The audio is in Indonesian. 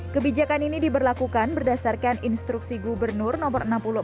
kebijakan ini diberlakukan berdasarkan instruksi gubernur no enam puluh empat